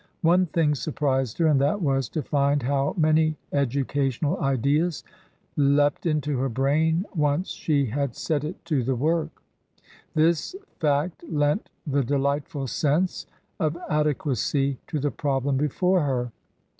One thing surprised her, and that was to find how many edu cational ideas leapt into her brain once she had set it to the work; this fact lent the delightful sense of ade quacy to the problem before her.